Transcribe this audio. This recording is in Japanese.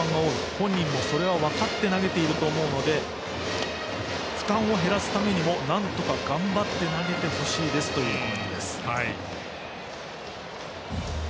本人もそれは分かって投げていると思うので負担を減らすためにも、なんとか頑張って投げてほしいですというコメントです。